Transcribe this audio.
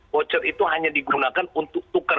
voucher itu hanya digunakan untuk tukar